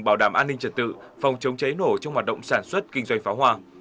bảo đảm an ninh trật tự phòng chống cháy nổ trong hoạt động sản xuất kinh doanh pháo hoa